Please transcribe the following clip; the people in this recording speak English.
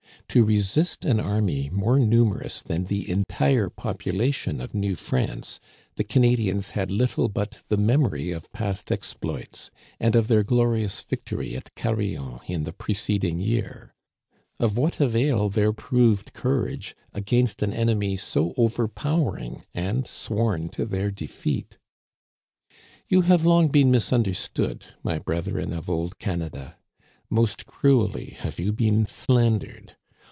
To resist an army more numerous than the entire population of New France the Canadians had little but the memory of past exploits, and of their glorious victory at Carillon in the preceding year. Of what avail their proved courage against an enemy so overpowering and sworn to their defeat ? You have long been misunderstood, my brethren of old Canada ! Most cruelly have you been slandered.